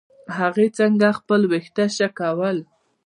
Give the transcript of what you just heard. هغې څنګه خپل ويښته شکول.